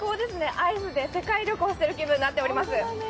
アイスで世界旅行してる気分になっております。